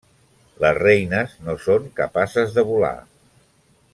Les reines no són capaces de volar.